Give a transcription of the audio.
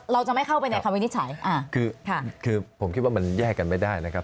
เราจะไม่เข้าไปในคำวินิจฉัยอ่าคือค่ะคือคือผมคิดว่ามันแยกกันไม่ได้นะครับ